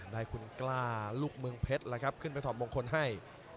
ได้คุณกล้าลูกเมืองเพชรแล้วครับขึ้นไปถอดมงคลให้